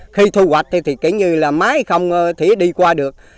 khi thu hoạch thì kiểu như là máy không thể đi qua được